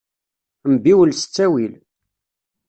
Mbiwel s ttawil.